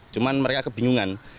cuma mereka kebingungan